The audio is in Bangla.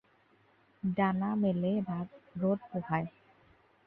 ডানা মেলে রোদ পোহায়।